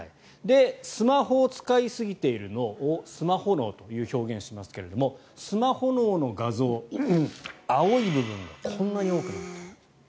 スマホを使いすぎている脳をスマホ脳と表現しますがスマホ脳の画像、青い部分がこんなに多くなります。